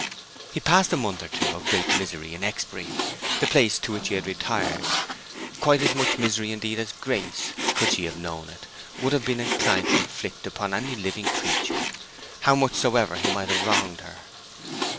He passed a month or two of great misery at Exbury, the place to which he had retired—quite as much misery indeed as Grace, could she have known of it, would have been inclined to inflict upon any living creature, how much soever he might have wronged her.